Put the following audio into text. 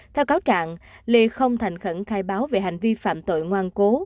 theo cáo trạng lê không thành khẩn khai báo về hành vi phạm tội ngoan cố